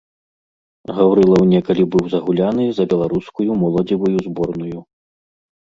Гаўрылаў некалі быў загуляны за беларускую моладзевую зборную.